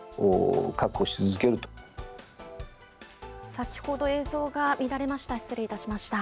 先ほど、映像が乱れました。